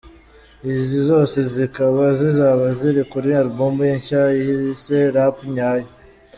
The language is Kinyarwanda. Izi zose zikaba zizaba ziri kuri Album ye nshya yise Rap nyayo.